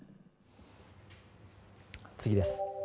次です。